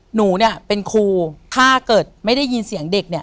หนูเป็นครูถ้าเกิดไม่ได้ยินเสียงเด็ก